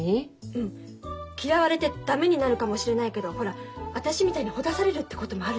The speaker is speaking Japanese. うん嫌われて駄目になるかもしれないけどほら私みたいにほだされるってこともあるでしょ。